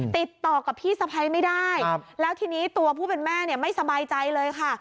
ติดต่อกับพี่สะพ้ายไม่ได้แล้วทีนี้ตัวผู้เป็นแม่เนี่ยไม่สบายใจเลยค่ะ